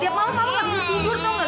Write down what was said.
tiap malam malam gak bisa tidur tau gak